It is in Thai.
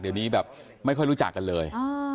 เดี๋ยวนี้แบบไม่ค่อยรู้จักกันเลย